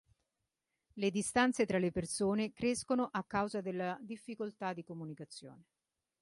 Le distanze tra le persone crescono a causa della difficoltà di comunicazione.